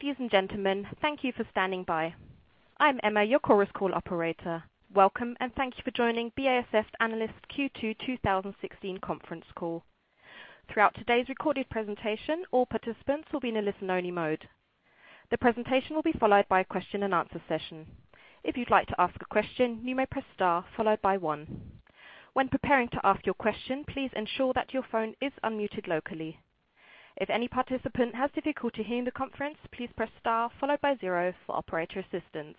Ladies and gentlemen, thank you for standing by. I'm Emma, your Chorus Call operator. Welcome, and thank you for joining BASF Analysts Q2 2016 conference call. Throughout today's recorded presentation, all participants will be in a listen-only mode. The presentation will be followed by a question-and-answer session. If you'd like to ask a question, you may press star followed by one. When preparing to ask your question, please ensure that your phone is unmuted locally. If any participant has difficulty hearing the conference, please press star followed by zero for operator assistance.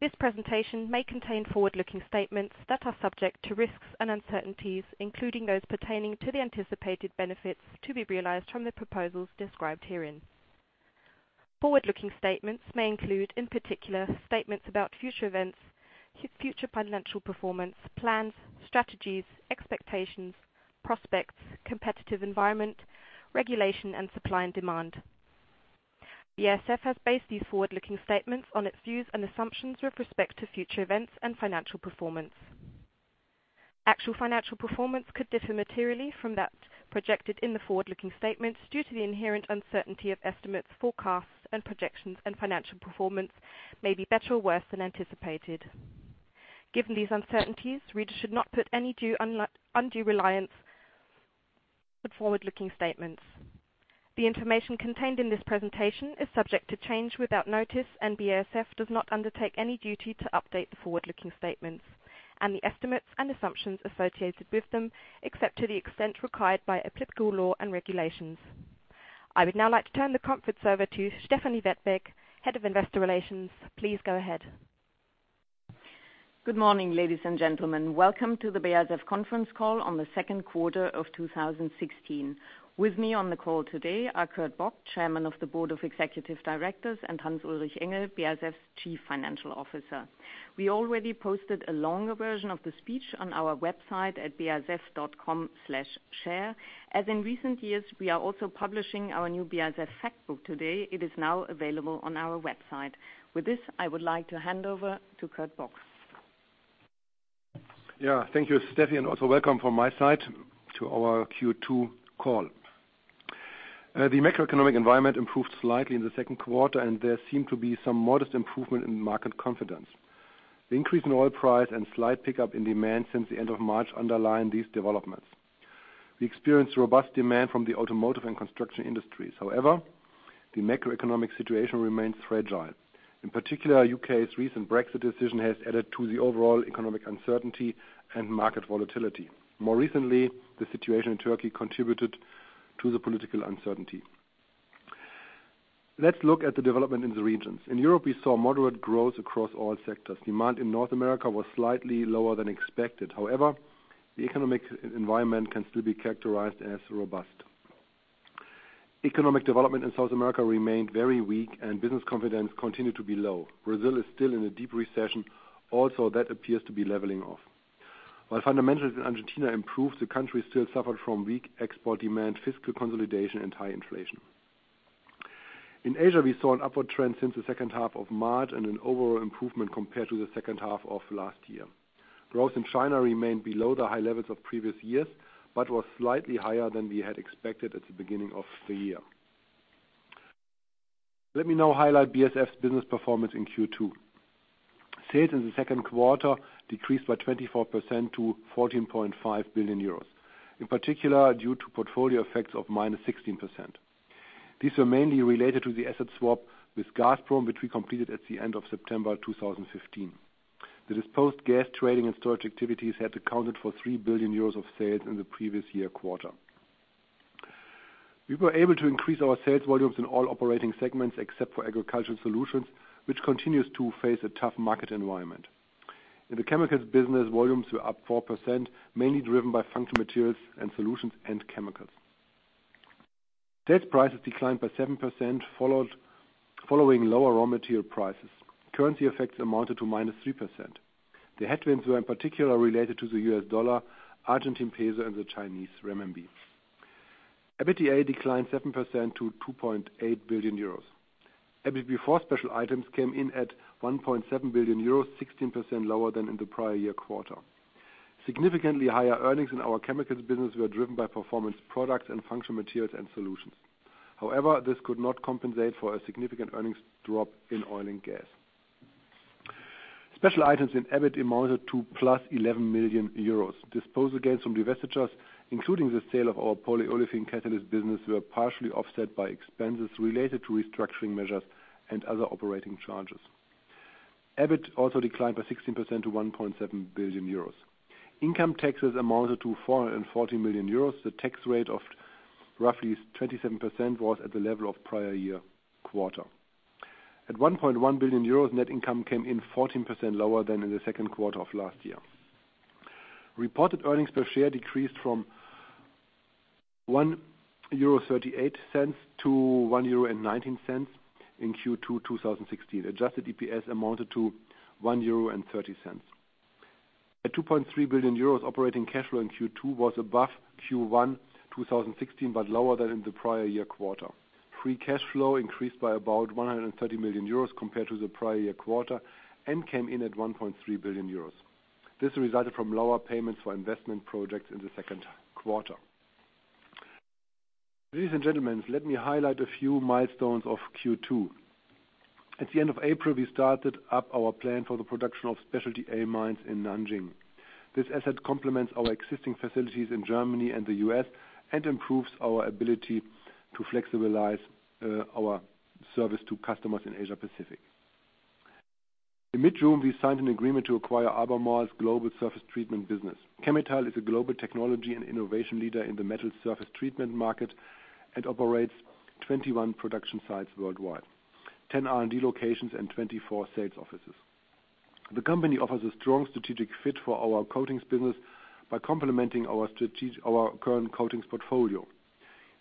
This presentation may contain forward-looking statements that are subject to risks and uncertainties, including those pertaining to the anticipated benefits to be realized from the proposals described herein. Forward-looking statements may include, in particular, statements about future events, future financial performance, plans, strategies, expectations, prospects, competitive environment, regulation, and supply and demand. BASF has based these forward-looking statements on its views and assumptions with respect to future events and financial performance. Actual financial performance could differ materially from that projected in the forward-looking statements due to the inherent uncertainty of estimates, forecasts, and projections, and financial performance may be better or worse than anticipated. Given these uncertainties, readers should not put any undue reliance on forward-looking statements. The information contained in this presentation is subject to change without notice, and BASF does not undertake any duty to update the forward-looking statements and the estimates and assumptions associated with them, except to the extent required by applicable law and regulations. I would now like to turn the conference over to Stefanie Wettberg, Head of Investor Relations. Please go ahead. Good morning, ladies and gentlemen. Welcome to the BASF conference call on the second quarter of 2016. With me on the call today are Kurt Bock, Chairman of the Board of Executive Directors, and Hans-Ulrich Engel, BASF's Chief Financial Officer. We already posted a longer version of the speech on our website at basf.com/share. As in recent years, we are also publishing our new BASF fact book today. It is now available on our website. With this, I would like to hand over to Kurt Bock. Yeah. Thank you, Steffi, and also welcome from my side to our Q2 call. The macroeconomic environment improved slightly in the second quarter, and there seemed to be some modest improvement in market confidence. The increase in oil price and slight pickup in demand since the end of March underlined these developments. We experienced robust demand from the automotive and construction industries. However, the macroeconomic situation remains fragile. In particular, U.K.'s recent Brexit decision has added to the overall economic uncertainty and market volatility. More recently, the situation in Turkey contributed to the political uncertainty. Let's look at the development in the regions. In Europe, we saw moderate growth across all sectors. Demand in North America was slightly lower than expected. However, the economic environment can still be characterized as robust. Economic development in South America remained very weak, and business confidence continued to be low. Brazil is still in a deep recession, also that appears to be leveling off. While fundamentals in Argentina improved, the country still suffered from weak export demand, fiscal consolidation, and high inflation. In Asia, we saw an upward trend since the second half of March and an overall improvement compared to the second half of last year. Growth in China remained below the high levels of previous years but was slightly higher than we had expected at the beginning of the year. Let me now highlight BASF's business performance in Q2. Sales in the second quarter decreased by 24% to 14.5 billion euros, in particular due to portfolio effects of -16%. These are mainly related to the asset swap with Gazprom, which we completed at the end of September 2015. The disposed gas trading and storage activities had accounted for 3 billion euros of sales in the previous year quarter. We were able to increase our sales volumes in all operating segments except for Agricultural Solutions, which continues to face a tough market environment. In the Chemicals business, volumes were up 4%, mainly driven by Functional Materials and Solutions and Chemicals. Sales prices declined by 7% following lower raw material prices. Currency effects amounted to -3%. The headwinds were in particular related to the U.S. dollar, Argentine peso, and the Chinese renminbi. EBITDA declined 7% to 2.8 billion euros. EBIT before special items came in at 1.7 billion euros, 16% lower than in the prior year quarter. Significantly higher earnings in our Chemicals business were driven by Performance Products and Functional Materials and Solutions. However, this could not compensate for a significant earnings drop in oil and gas. Special items in EBIT amounted to +11 million euros. Disposal gains from divestitures, including the sale of our polyolefin catalyst business, were partially offset by expenses related to restructuring measures and other operating charges. EBIT also declined by 16% to 1.7 billion euros. Income taxes amounted to 440 million euros. The tax rate of roughly 27% was at the level of prior-year quarter. At 1.1 billion euros, net income came in 14% lower than in the second quarter of last year. Reported earnings per share decreased from 1.38 euro to 1.19 euro in Q2 2016. Adjusted EPS amounted to 1.30 euro. At 2.3 billion euros, operating cash flow in Q2 was above Q1 2016 but lower than in the prior year quarter. Free cash flow increased by about 130 million euros compared to the prior year quarter and came in at 1.3 billion euros. This resulted from lower payments for investment projects in the second quarter. Ladies and gentlemen, let me highlight a few milestones of Q2. At the end of April, we started up our plant for the production of specialty amines in Nanjing. This asset complements our existing facilities in Germany and the U.S., and improves our ability to flexibilize our service to customers in Asia-Pacific. In mid-June, we signed an agreement to acquire Albemarle's global surface treatment business. Chemetall is a global technology and innovation leader in the metal surface treatment market, and operates 21 production sites worldwide, 10 R&D locations, and 24 sales offices. The company offers a strong strategic fit for our coatings business by complementing our current coatings portfolio.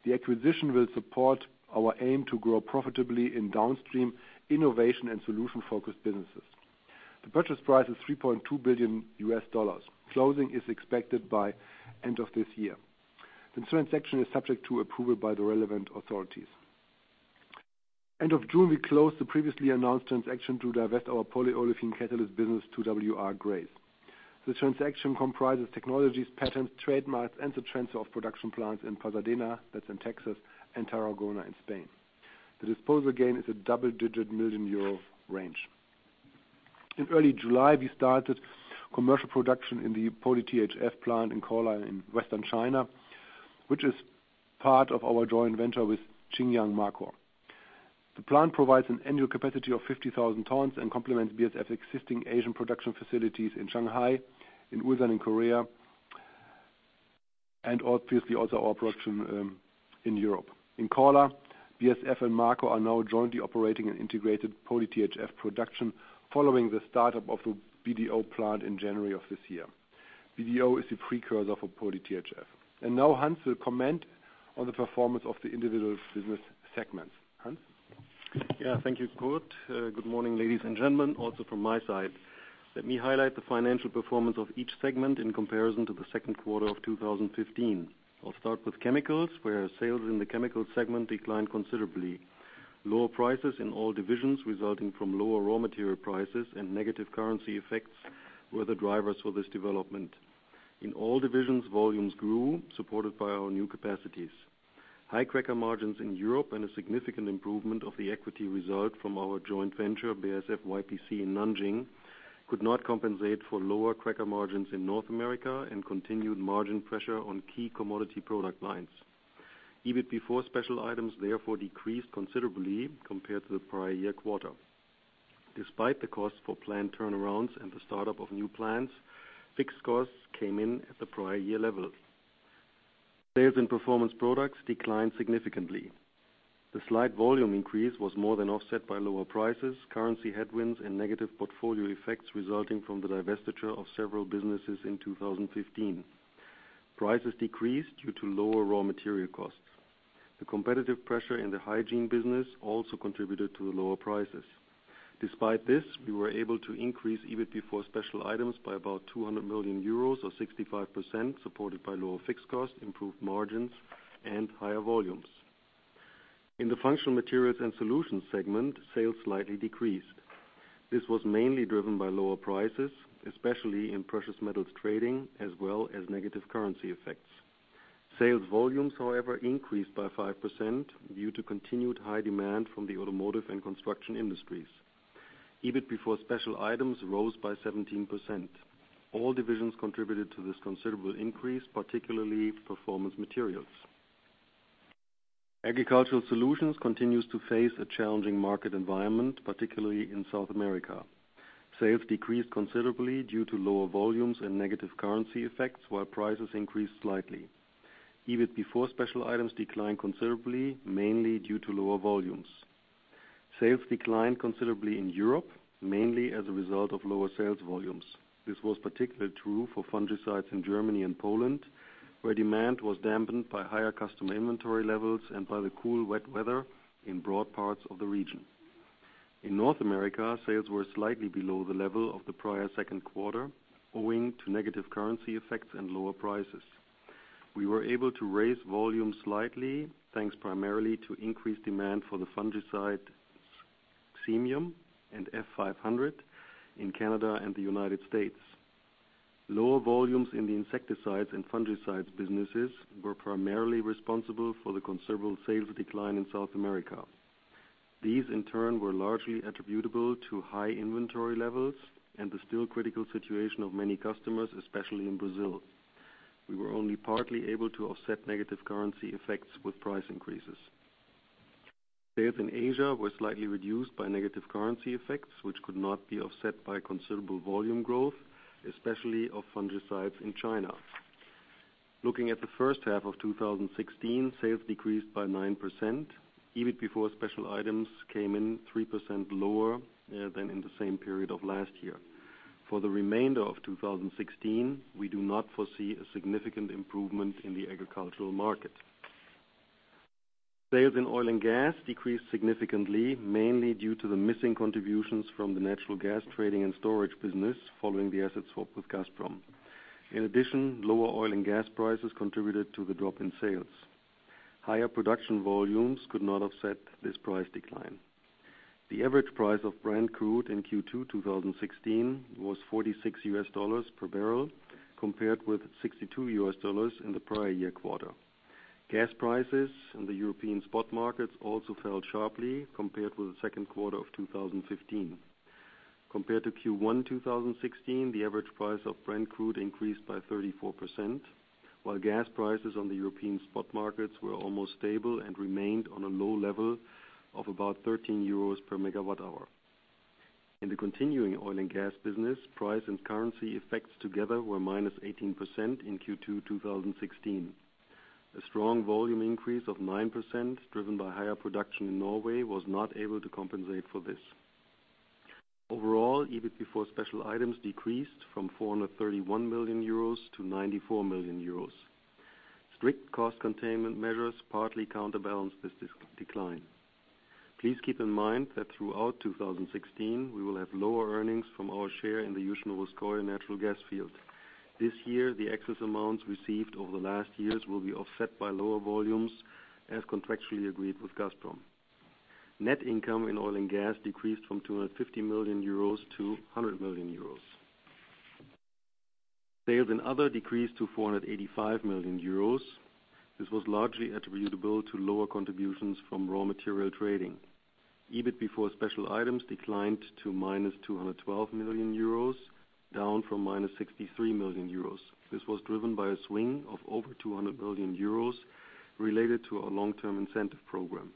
The acquisition will support our aim to grow profitably in downstream innovation and solution-focused businesses. The purchase price is $3.2 billion. Closing is expected by end of this year. The transaction is subject to approval by the relevant authorities. End of June, we closed the previously announced transaction to divest our polyolefin catalyst business to W. R. Grace. The transaction comprises technologies, patents, trademarks, and the transfer of production plants in Pasadena, that's in Texas, and Tarragona in Spain. The disposal gain is a double-digit million EUR range. In early July, we started commercial production in the polyTHF plant in Korla in western China, which is part of our joint venture with Xinjiang Markor. The plant provides an annual capacity of 50,000 tons and complements BASF's existing Asian production facilities in Shanghai, in Ulsan in Korea, and obviously also our production in Europe. In Korla, BASF and Markor are now jointly operating an integrated polyTHF production following the startup of the BDO plant in January of this year. BDO is the precursor for polyTHF. Now Hans will comment on the performance of the individual business segments. Hans? Yeah, thank you, Kurt. Good morning, ladies and gentlemen, also from my side. Let me highlight the financial performance of each segment in comparison to the second quarter of 2015. I'll start with Chemicals, where sales in the Chemicals segment declined considerably. Lower prices in all divisions resulting from lower raw material prices and negative currency effects were the drivers for this development. In all divisions, volumes grew, supported by our new capacities. High cracker margins in Europe and a significant improvement of the equity result from our joint venture, BASF-YPC in Nanjing, could not compensate for lower cracker margins in North America and continued margin pressure on key commodity product lines. EBIT before special items therefore decreased considerably compared to the prior year quarter. Despite the cost for plant turnarounds and the startup of new plants, fixed costs came in at the prior year level. Sales in Performance Products declined significantly. The slight volume increase was more than offset by lower prices, currency headwinds, and negative portfolio effects resulting from the divestiture of several businesses in 2015. Prices decreased due to lower raw material costs. The competitive pressure in the hygiene business also contributed to the lower prices. Despite this, we were able to increase EBIT before special items by about 200 million euros or 65%, supported by lower fixed costs, improved margins, and higher volumes. In the Functional Materials and Solutions segment, sales slightly decreased. This was mainly driven by lower prices, especially in precious metals trading as well as negative currency effects. Sales volumes, however, increased by 5% due to continued high demand from the automotive and construction industries. EBIT before special items rose by 17%. All divisions contributed to this considerable increase, particularly Performance Materials. Agricultural Solutions continues to face a challenging market environment, particularly in South America. Sales decreased considerably due to lower volumes and negative currency effects, while prices increased slightly. EBIT before special items declined considerably, mainly due to lower volumes. Sales declined considerably in Europe, mainly as a result of lower sales volumes. This was particularly true for fungicides in Germany and Poland, where demand was dampened by higher customer inventory levels and by the cool, wet weather in broad parts of the region. In North America, sales were slightly below the level of the prior second quarter, owing to negative currency effects and lower prices. We were able to raise volumes slightly, thanks primarily to increased demand for the fungicide Xemium and F500 in Canada and the United States. Lower volumes in the insecticides and fungicides businesses were primarily responsible for the considerable sales decline in South America. These in turn were largely attributable to high inventory levels and the still critical situation of many customers, especially in Brazil. We were only partly able to offset negative currency effects with price increases. Sales in Asia were slightly reduced by negative currency effects, which could not be offset by considerable volume growth, especially of fungicides in China. Looking at the first half of 2016, sales decreased by 9%. EBIT before special items came in 3% lower than in the same period of last year. For the remainder of 2016, we do not foresee a significant improvement in the agricultural market. Sales in oil and gas decreased significantly, mainly due to the missing contributions from the natural gas trading and storage business following the asset swap with Gazprom. In addition, lower oil and gas prices contributed to the drop in sales. Higher production volumes could not offset this price decline. The average price of Brent Crude in Q2 2016 was $46 per barrel, compared with $62 in the prior-year quarter. Gas prices in the European spot markets also fell sharply compared with the second quarter of 2015. Compared to Q1 2016, the average price of Brent Crude increased by 34%, while gas prices on the European spot markets were almost stable and remained on a low level of about 13 euros per MWh. In the continuing oil and gas business, price and currency effects together were -18% in Q2 2016. A strong volume increase of 9%, driven by higher production in Norway, was not able to compensate for this. Overall, EBIT before special items decreased from 431 million-94 million euros. Strict cost containment measures partly counterbalance this decline. Please keep in mind that throughout 2016, we will have lower earnings from our share in the Yuzhno-Russkoye natural gas field. This year, the excess amounts received over the last years will be offset by lower volumes, as contractually agreed with Gazprom. Net income in oil and gas decreased from 250 million-100 million euros. Sales and other decreased to 485 million euros. This was largely attributable to lower contributions from raw material trading. EBIT before special items declined to -212 million euros, down from -63 million euros. This was driven by a swing of over 200 million euros related to our long-term incentive program.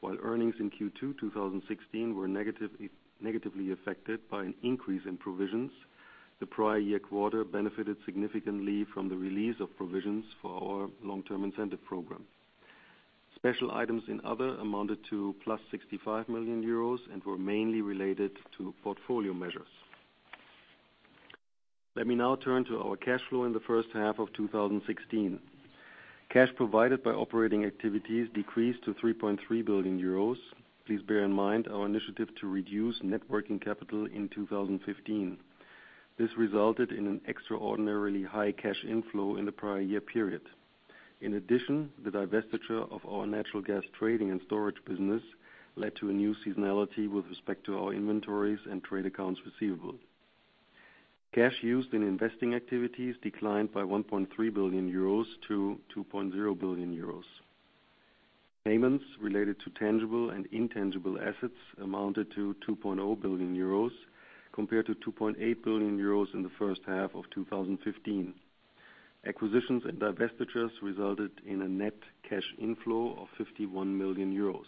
While earnings in Q2 2016 were negatively affected by an increase in provisions, the prior year quarter benefited significantly from the release of provisions for our long-term incentive program. Special items in other amounted to +65 million euros and were mainly related to portfolio measures. Let me now turn to our cash flow in the first half of 2016. Cash provided by operating activities decreased to 3.3 billion euros. Please bear in mind our initiative to reduce net working capital in 2015. This resulted in an extraordinarily high cash inflow in the prior year period. In addition, the divestiture of our natural gas trading and storage business led to a new seasonality with respect to our inventories and trade accounts receivable. Cash used in investing activities declined by 1.3 billion euros to 2.0 billion euros. Payments related to tangible and intangible assets amounted to 2.0 billion euros, compared to 2.8 billion euros in the first half of 2015. Acquisitions and divestitures resulted in a net cash inflow of 51 million euros.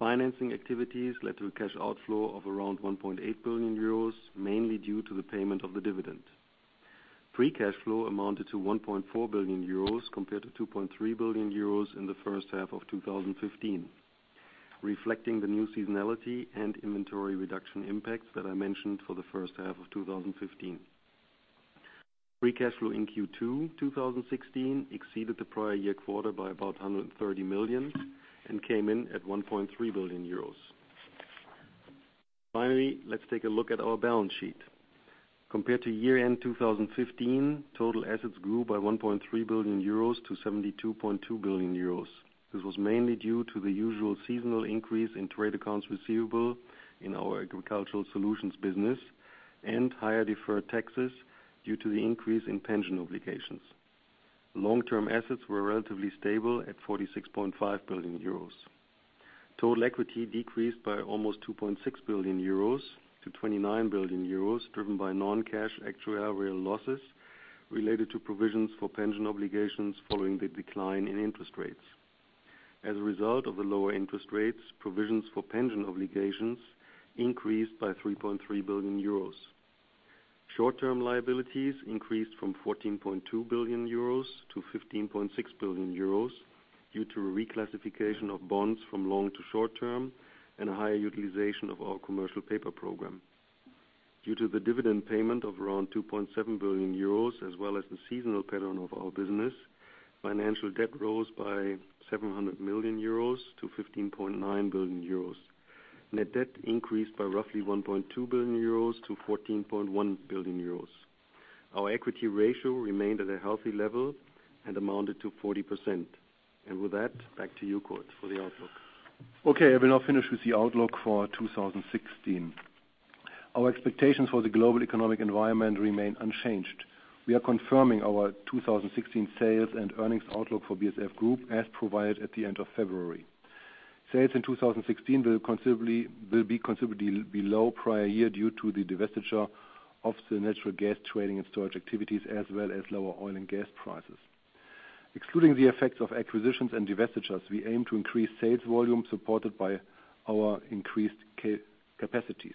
Financing activities led to a cash outflow of around 1.8 billion euros, mainly due to the payment of the dividend. Free cash flow amounted to 1.4 billion euros compared to 2.3 billion euros in the first half of 2015, reflecting the new seasonality and inventory reduction impacts that I mentioned for the first half of 2015. Free cash flow in Q2 2016 exceeded the prior year quarter by about 130 million and came in at 1.3 billion euros. Finally, let's take a look at our balance sheet. Compared to year-end 2015, total assets grew by 1.3 billion euros to 72.2 billion euros. This was mainly due to the usual seasonal increase in trade accounts receivable in our agricultural solutions business and higher deferred taxes due to the increase in pension obligations. Long-term assets were relatively stable at 46.5 billion euros. Total equity decreased by almost 2.6 billion euros to 29 billion euros, driven by non-cash actuarial losses related to provisions for pension obligations following the decline in interest rates. As a result of the lower interest rates, provisions for pension obligations increased by 3.3 billion euros. Short-term liabilities increased from 14.2 billion-15.6 billion euros due to a reclassification of bonds from long to short term and a higher utilization of our commercial paper program. Due to the dividend payment of around 2.7 billion euros, as well as the seasonal pattern of our business, financial debt rose by 700 million-15.9 billion euros. Net debt increased by roughly 1.2 billion-14.1 billion euros. Our equity ratio remained at a healthy level and amounted to 40%. With that, back to you, Kurt, for the outlook. Okay, I will now finish with the outlook for 2016. Our expectations for the global economic environment remain unchanged. We are confirming our 2016 sales and earnings outlook for BASF Group as provided at the end of February. Sales in 2016 will be considerably below prior year due to the divestiture of the natural gas trading and storage activities, as well as lower oil and gas prices. Excluding the effects of acquisitions and divestitures, we aim to increase sales volume supported by our increased capacities.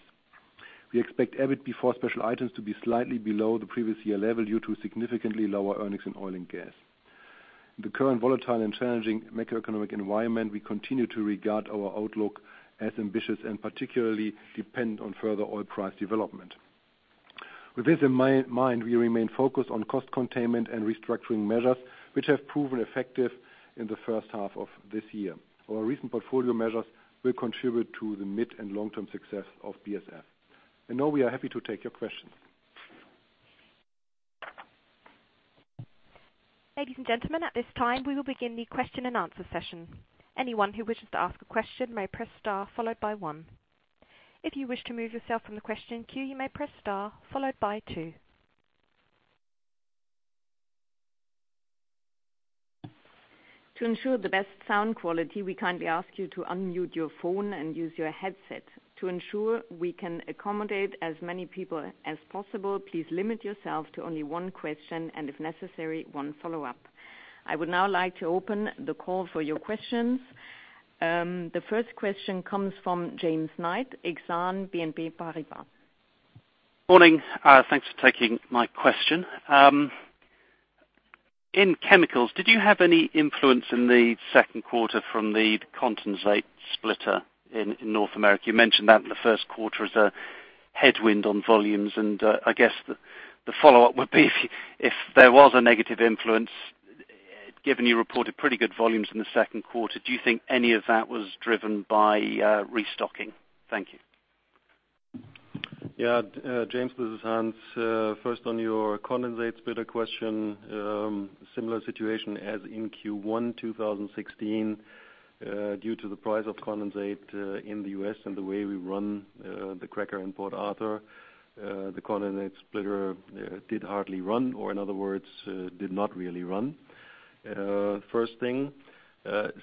We expect EBIT before special items to be slightly below the previous year level due to significantly lower earnings in oil and gas. In the current volatile and challenging macroeconomic environment, we continue to regard our outlook as ambitious and particularly dependent on further oil price development. With this in mind, we remain focused on cost containment and restructuring measures which have proven effective in the first half of this year. Our recent portfolio measures will contribute to the mid and long-term success of BASF. Now we are happy to take your questions. Ladies and gentlemen, at this time, we will begin the question and answer session. Anyone who wishes to ask a question may press star followed by one. If you wish to remove yourself from the question queue, you may press star followed by two. To ensure the best sound quality, we kindly ask you to unmute your phone and use your headset. To ensure we can accommodate as many people as possible, please limit yourself to only one question and if necessary, one follow-up. I would now like to open the call for your questions. The first question comes from James Knight, Exane BNP Paribas. Morning. Thanks for taking my question. In chemicals, did you have any influence in the second quarter from the condensate splitter in North America? You mentioned that in the first quarter as a headwind on volumes, and I guess the follow-up would be if there was a negative influence, given you reported pretty good volumes in the second quarter, do you think any of that was driven by restocking? Thank you. Yeah. James, this is Hans. First on your condensate splitter question, similar situation as in Q1 2016, due to the price of condensate in the U.S. and the way we run the cracker in Port Arthur, the condensate splitter did hardly run, or in other words, did not really run. First thing.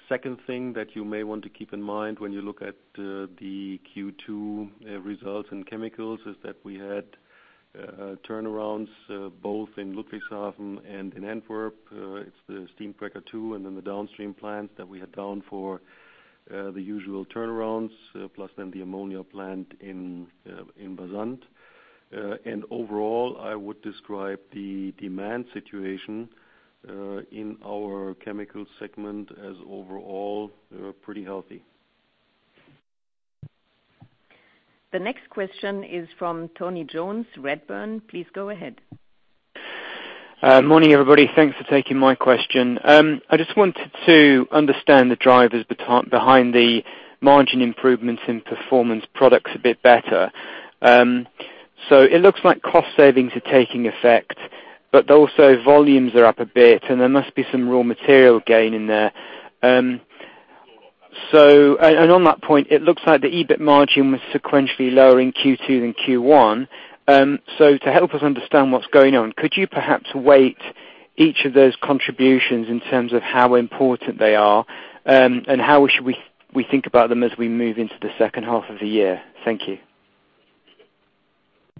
Second thing that you may want to keep in mind when you look at the Q2 results in chemicals is that we had turnarounds both in Ludwigshafen and in Antwerp. It's the steam cracker too, and then the downstream plant that we had down for the usual turnarounds, plus then the ammonia plant in Antwerp. Overall, I would describe the demand situation in our chemical segment as overall pretty healthy. The next question is from Tony Jones, Redburn. Please go ahead. Morning, everybody. Thanks for taking my question. I just wanted to understand the drivers behind the margin improvements in Performance Products a bit better. It looks like cost savings are taking effect, but also volumes are up a bit and there must be some raw material gain in there. On that point, it looks like the EBIT margin was sequentially lower in Q2 than Q1. To help us understand what's going on, could you perhaps weight each of those contributions in terms of how important they are, and how should we think about them as we move into the second half of the year? Thank you.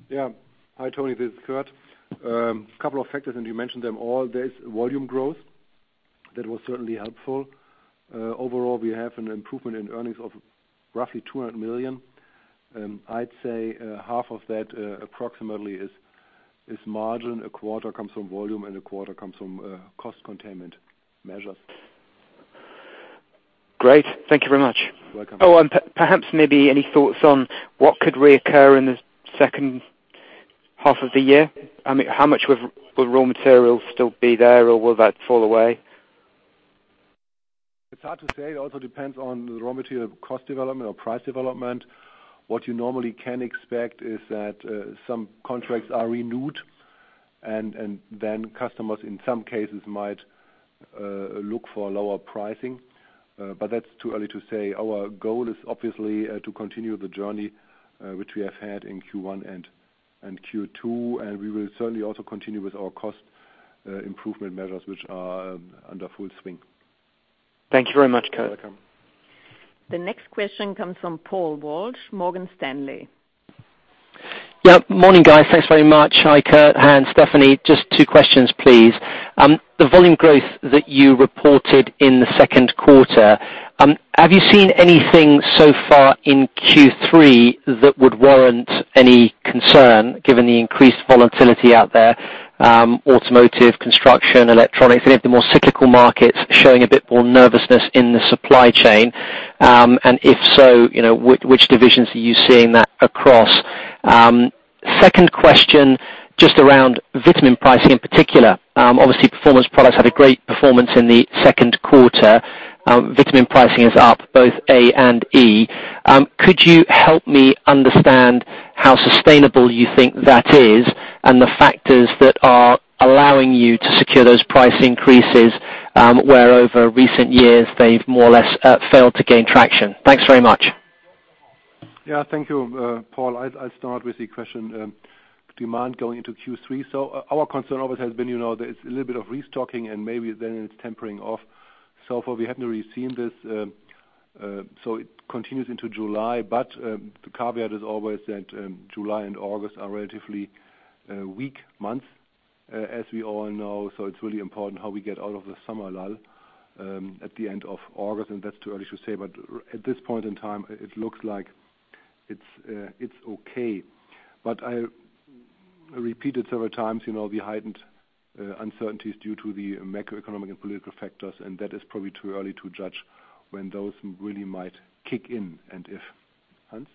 Yeah. Hi, Tony. This is Kurt. Couple of factors, and you mentioned them all. There is volume growth that was certainly helpful. Overall, we have an improvement in earnings of roughly 200 million. I'd say, half of that, approximately is margin, a quarter comes from volume, and a quarter comes from cost containment measures. Great. Thank you very much. Welcome. Oh, perhaps maybe any thoughts on what could reoccur in the second half of the year? I mean, how much will raw materials still be there, or will that fall away? It's hard to say. It also depends on the raw material cost development or price development. What you normally can expect is that some contracts are renewed and then customers, in some cases, might look for lower pricing. That's too early to say. Our goal is obviously to continue the journey which we have had in Q1 and Q2, and we will certainly also continue with our cost improvement measures which are in full swing. Thank you very much, Kurt. You're welcome. The next question comes from Paul Walsh, Morgan Stanley. Yeah. Morning, guys. Thanks very much. Hi, Kurt, Hans, Stephanie. Just two questions, please. The volume growth that you reported in the second quarter, have you seen anything so far in Q3 that would warrant any concern given the increased volatility out there, automotive, construction, electronics, any of the more cyclical markets showing a bit more nervousness in the supply chain? And if so, you know, which divisions are you seeing that across? Second question, just around vitamin pricing in particular. Obviously, performance products had a great performance in the second quarter. Vitamin pricing is up both A and E. Could you help me understand how sustainable you think that is and the factors that are allowing you to secure those price increases, where over recent years they've more or less failed to gain traction? Thanks very much. Yeah. Thank you, Paul. I'll start with the question, demand going into Q3. Our concern always has been, you know, there's a little bit of restocking and maybe then it's tapering off. So far we haven't really seen this, so it continues into July. The caveat is always that, July and August are relatively weak months, as we all know, so it's really important how we get out of the summer lull, at the end of August, and that's too early to say. At this point in time, it looks like it's okay. I repeated several times, you know, the heightened uncertainties due to the macroeconomic and political factors, and that is probably too early to judge when those really might kick in, and if. Hans?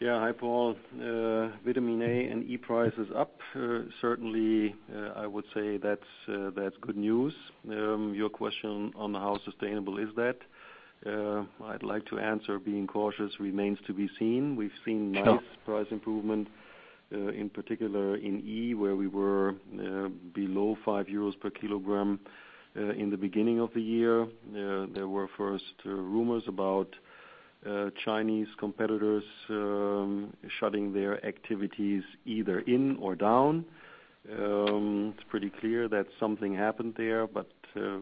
Yeah. Hi, Paul. Vitamin A and E price is up. Certainly, I would say that's good news. Your question on how sustainable is that I'd like to answer. Being cautious remains to be seen. We've seen Sure Nice price improvement in particular in E, where we were below 5 euros per kilogram in the beginning of the year. There were first rumors about Chinese competitors shutting their activities either in or down. It's pretty clear that something happened there, but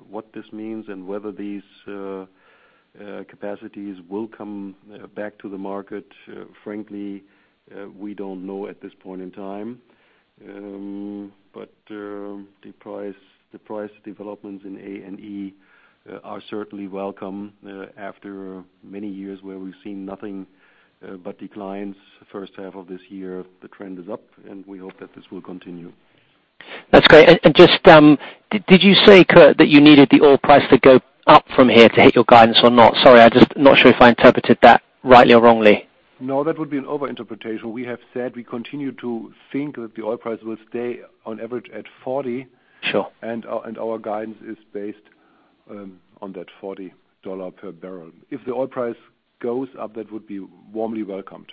what this means and whether these capacities will come back to the market, frankly, we don't know at this point in time. The price developments in A and E are certainly welcome after many years where we've seen nothing but declines. First half of this year, the trend is up, and we hope that this will continue. That's great. Just, did you say, Kurt, that you needed the oil price to go up from here to hit your guidance or not? Sorry, I just not sure if I interpreted that rightly or wrongly. No, that would be an overinterpretation. We have said we continue to think that the oil price will stay on average at $40. Sure. Our guidance is based on that $40 per barrel. If the oil price goes up, that would be warmly welcomed.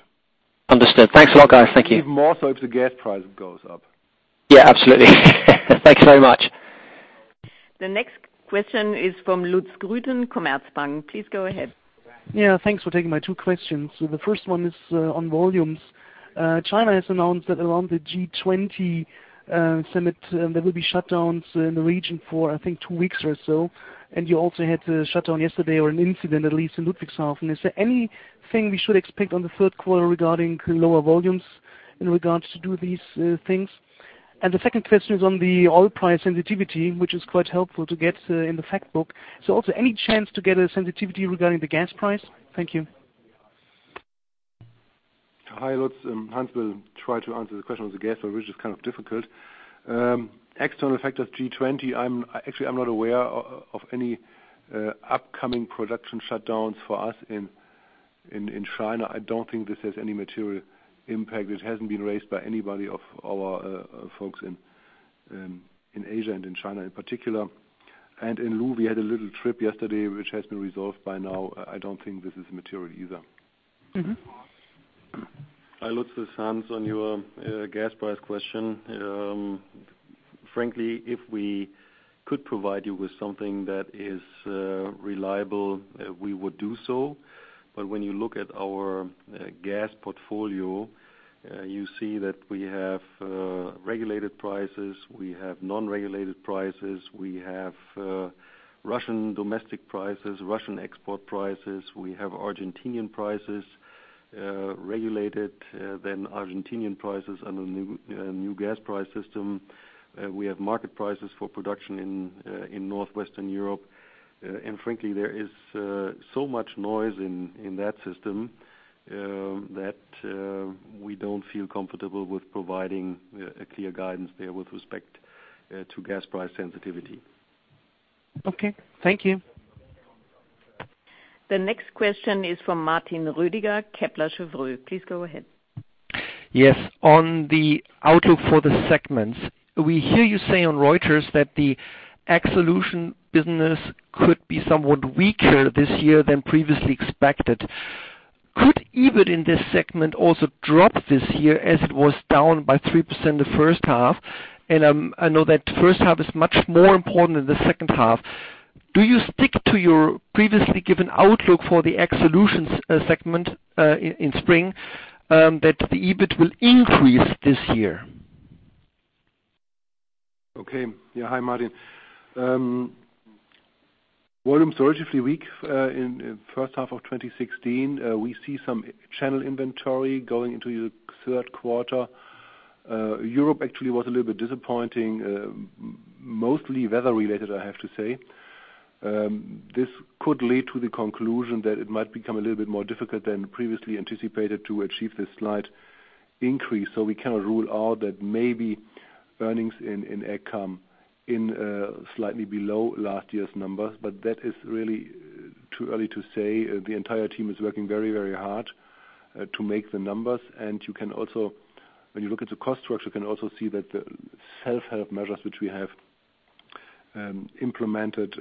Understood. Thanks a lot, guys. Thank you. Even more so if the gas price goes up. Yeah, absolutely. Thanks so much. The next question is from Lutz Gruetjen, Commerzbank. Please go ahead. Yeah, thanks for taking my two questions. The first one is on volumes. China has announced that around the G20 summit, there will be shutdowns in the region for, I think, two weeks or so, and you also had a shutdown yesterday or an incident, at least in Ludwigshafen. Is there anything we should expect on the third quarter regarding lower volumes in regards to these things? The second question is on the oil price sensitivity, which is quite helpful to get in the fact book. Also any chance to get a sensitivity regarding the gas price? Thank you. Hi, Lutz. Hans will try to answer the question on the gas, but which is kind of difficult. External effect of G20. Actually, I'm not aware of any upcoming production shutdowns for us in China. I don't think this has any material impact. It hasn't been raised by anybody of our folks in Asia and in China in particular. In lieu, we had a little trip yesterday which has been resolved by now. I don't think this is material either. Mm-hmm. Hi, Lutz. This is Hans. On your gas price question, frankly, if we could provide you with something that is reliable, we would do so. When you look at our gas portfolio, you see that we have regulated prices, we have non-regulated prices, we have Russian domestic prices, Russian export prices, we have Argentine prices, regulated, then Argentine prices under new gas price system. We have market prices for production in northwestern Europe. Frankly, there is so much noise in that system that we don't feel comfortable with providing a clear guidance there with respect to gas price sensitivity. Okay. Thank you. The next question is from Martin Roediger, Kepler Cheuvreux. Please go ahead. Yes. On the outlook for the segments, we hear you say on Reuters that the Ag Solutions business could be somewhat weaker this year than previously expected. Could EBIT in this segment also drop this year as it was down by 3% the first half? I know that first half is much more important than the second half. Do you stick to your previously given outlook for the Ag Solutions segment in spring that the EBIT will increase this year? Okay. Yeah. Hi, Martin. Volumes were relatively weak in first half of 2016. We see some channel inventory going into the third quarter. Europe actually was a little bit disappointing, mostly weather related, I have to say. This could lead to the conclusion that it might become a little bit more difficult than previously anticipated to achieve this slight increase. We cannot rule out that maybe earnings in Ag come in slightly below last year's numbers, but that is really too early to say. The entire team is working very, very hard to make the numbers. When you look at the cost structure, you can also see that the self-help measures which we have implemented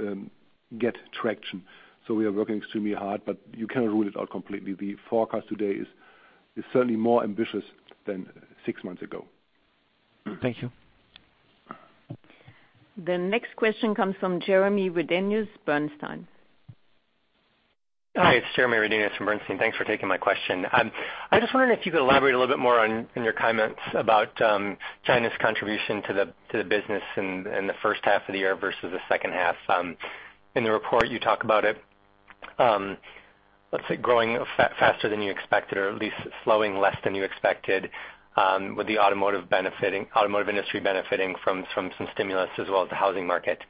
get traction. We are working extremely hard, but you cannot rule it out completely. The forecast today is certainly more ambitious than six months ago. Thank you. The next question comes from Jeremy Redenius, Bernstein. Hi, it's Jeremy Redenius from Bernstein. Thanks for taking my question. I just wondered if you could elaborate a little bit more on your comments about China's contribution to the business in the first half of the year versus the second half. In the report you talk about it, let's say growing faster than you expected or at least slowing less than you expected, with the automotive industry benefiting from some stimulus as well as the housing market.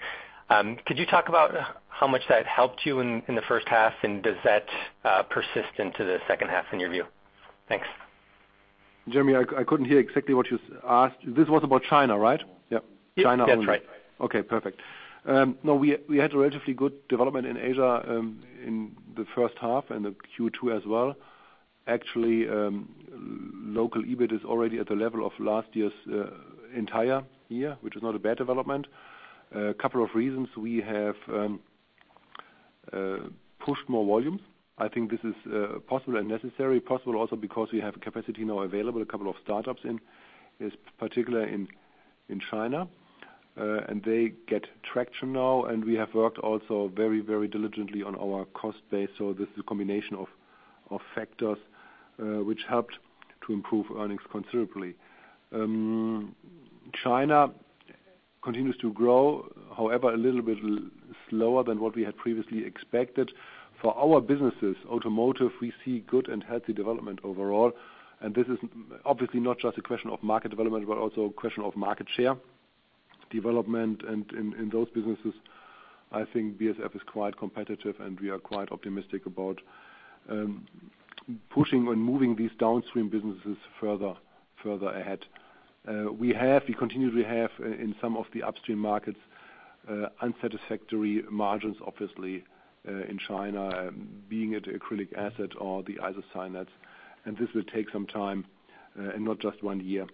Could you talk about how much that helped you in the first half? And does that persist into the second half in your view? Thanks. Jeremy, I couldn't hear exactly what you asked. This was about China, right? Yep. Yep, that's right. Okay, perfect. No, we had relatively good development in Asia, in the first half and the Q2 as well. Actually, local EBIT is already at the level of last year's entire year, which is not a bad development. A couple of reasons. We have pushed more volumes. I think this is possible and necessary. Possible also because we have capacity now available, a couple of startups in this, particular in China, and they get traction now, and we have worked also very, very diligently on our cost base. This is a combination of factors, which helped to improve earnings considerably. China continues to grow, however, a little bit slower than what we had previously expected. For our businesses, automotive, we see good and healthy development overall, and this is obviously not just a question of market development, but also a question of market share development. In those businesses, I think BASF is quite competitive, and we are quite optimistic about pushing and moving these downstream businesses further ahead. We continue to have in some of the upstream markets unsatisfactory margins, obviously, in China, be it acrylic acid or the isocyanates. This will take some time and not just one year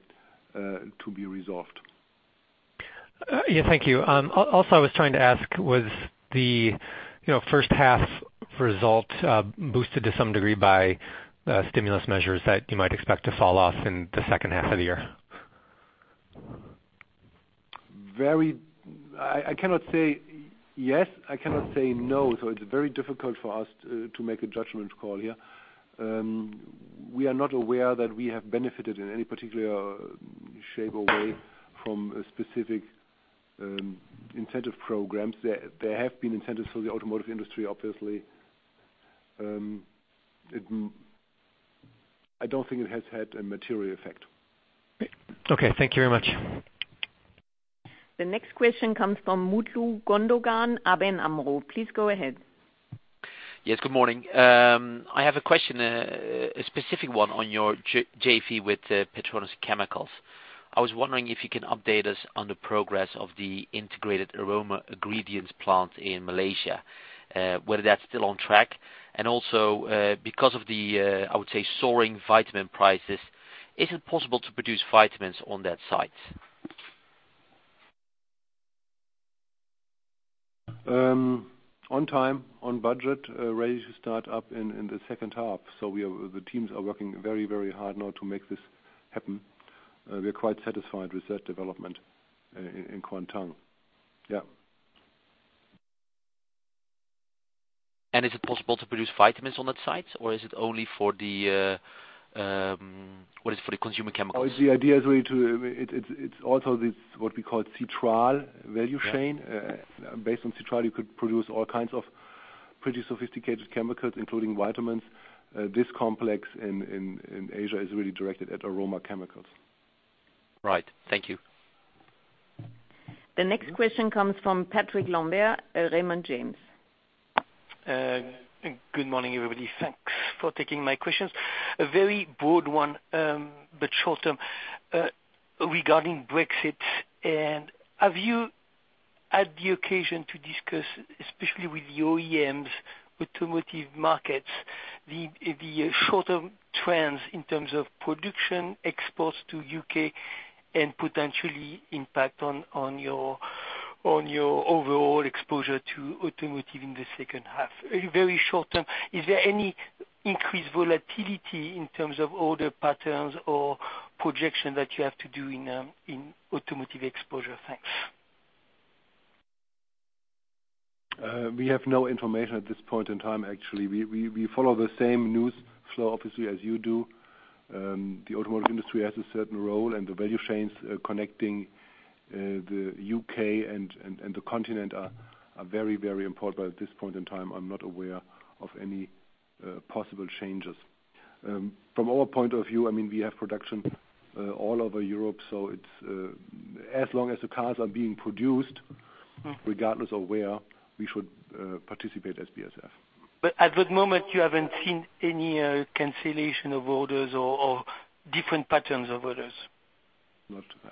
to be resolved. Yeah, thank you. Also I was trying to ask, was the you know first half result boosted to some degree by stimulus measures that you might expect to fall off in the second half of the year? I cannot say yes. I cannot say no. It's very difficult for us to make a judgment call here. We are not aware that we have benefited in any particular shape or way from specific incentive programs. There have been incentives for the automotive industry, obviously. I don't think it has had a material effect. Okay, thank you very much. The next question comes from Mutlu Gündoğan, ABN AMRO. Please go ahead. Yes, good morning. I have a question, a specific one on your JV with Petronas Chemicals. I was wondering if you can update us on the progress of the integrated aroma ingredients plant in Malaysia, whether that's still on track, and also, because of the, I would say, soaring vitamin prices, is it possible to produce vitamins on that site? On time, on budget, ready to start up in the second half. The teams are working very, very hard now to make this happen. We're quite satisfied with that development in Kuantan. Is it possible to produce vitamins on that site, or is it only for the, what is for the consumer chemicals? It's also this, what we call citral value chain. Yeah. Based on citral, you could produce all kinds of pretty sophisticated chemicals, including vitamins. This complex in Asia is really directed at aroma chemicals. Right. Thank you. The next question comes from Patrick Lambert at Raymond James. Good morning, everybody. Thanks for taking my questions. A very broad one, but short term, regarding Brexit. Have you had the occasion to discuss, especially with the OEMs, automotive markets, the short-term trends in terms of production exports to U.K. and potentially impact on your overall exposure to automotive in the second half? Very short term, is there any increased volatility in terms of order patterns or projection that you have to do in automotive exposure? Thanks. We have no information at this point in time, actually. We follow the same news flow, obviously, as you do. The automotive industry has a certain role, and the value chains connecting the U.K. and the continent are very important, but at this point in time, I'm not aware of any possible changes. From our point of view, I mean, we have production all over Europe, so it's as long as the cars are being produced, regardless of where, we should participate as BASF. At the moment, you haven't seen any cancellation of orders or different patterns of orders?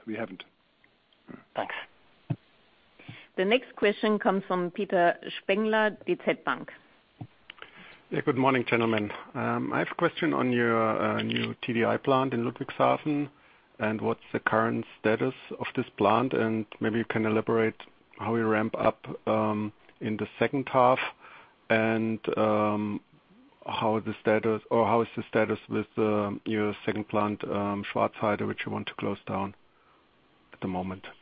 We haven't. Thanks. The next question comes from Peter Spengler, DZ Bank. Yeah, good morning, gentlemen. I have a question on your new TDI plant in Ludwigshafen and what's the current status of this plant, and maybe you can elaborate how you ramp up in the second half and how is the status with your second plant, Schwarzheide, which you want to close down at the moment? Both- Thank you.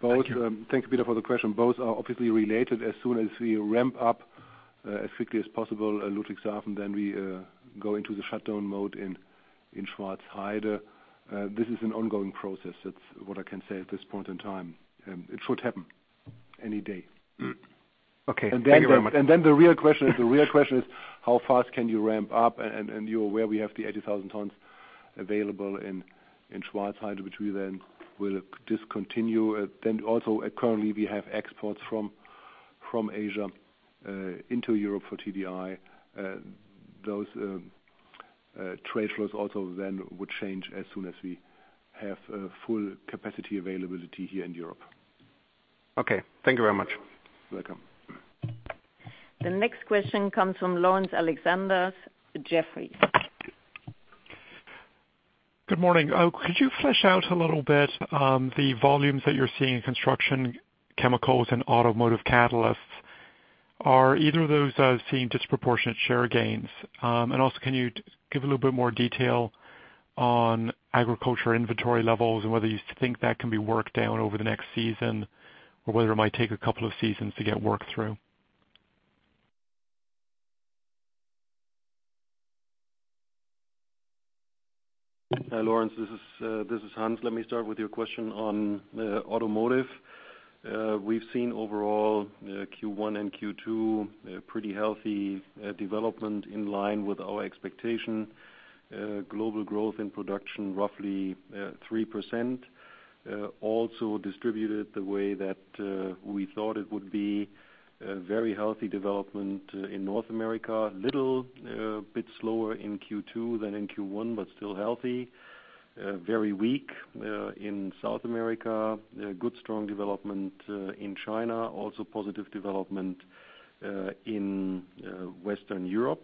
Thank you, Peter, for the question. Both are obviously related. As soon as we ramp up as quickly as possible at Ludwigshafen, then we go into the shutdown mode in Schwarzheide. This is an ongoing process. That's what I can say at this point in time. It should happen any day. Okay. Thank you very much. The real question is how fast can you ramp up? You're aware we have the 80,000 tons available in Schwarzheide, which we then will discontinue. Currently we have exports from Asia into Europe for TDI. Those trade flows also then would change as soon as we have full capacity availability here in Europe. Okay. Thank you very much. You're welcome. The next question comes from Laurence Alexander, Jefferies. Good morning. Could you flesh out a little bit, the volumes that you're seeing in construction chemicals and automotive catalysts? Are either of those, seeing disproportionate share gains? And also can you give a little bit more detail on agriculture inventory levels and whether you think that can be worked down over the next season or whether it might take a couple of seasons to get worked through? Hi, Laurence. This is Hans. Let me start with your question on automotive. We've seen overall, Q1 and Q2, a pretty healthy development in line with our expectation. Global growth in production roughly 3%, also distributed the way that we thought it would be. A very healthy development in North America. Little bit slower in Q2 than in Q1, but still healthy. Very weak in South America. Good, strong development in China. Also positive development in Western Europe.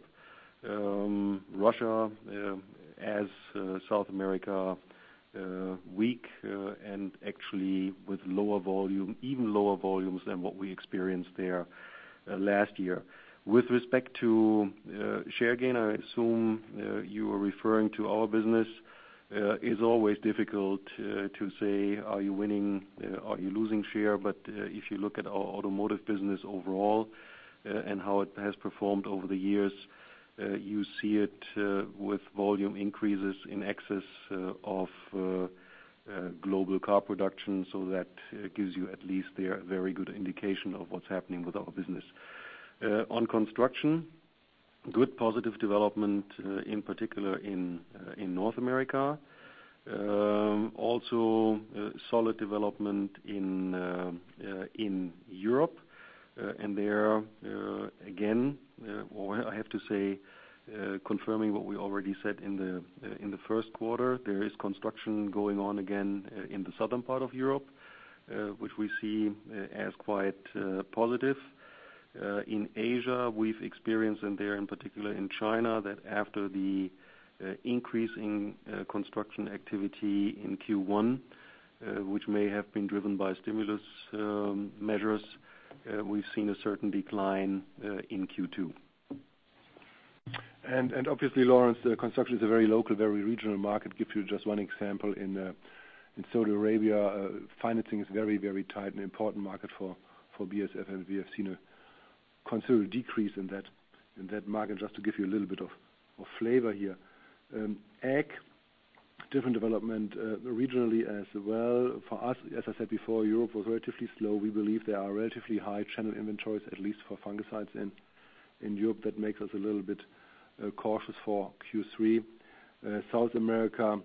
Russia, as South America, weak, and actually with lower volume, even lower volumes than what we experienced there last year. With respect to share gain, I assume you are referring to our business. It's always difficult to say are you winning, are you losing share, but if you look at our automotive business overall, and how it has performed over the years, you see it with volume increases in excess of global car production, so that gives you at least there a very good indication of what's happening with our business. On construction, good positive development in particular in North America. Also, solid development in Europe. There, again, or I have to say, confirming what we already said in the first quarter, there is construction going on again in the southern part of Europe, which we see as quite positive. In Asia, we've experienced, and there in particular in China, that after the increase in construction activity in Q1, which may have been driven by stimulus measures, we've seen a certain decline in Q2. Obviously, Laurence, the construction is a very local, very regional market. Give you just one example in Saudi Arabia, financing is very tight and an important market for BASF, and we have seen a considerable decrease in that market, just to give you a little bit of flavor here. Different development regionally as well. For us, as I said before, Europe was relatively slow. We believe there are relatively high channel inventories, at least for fungicides in Europe. That makes us a little bit cautious for Q3. South America,